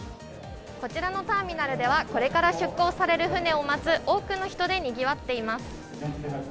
こちらのターミナルでは、これから出港される船を待つ多くの人でにぎわっています。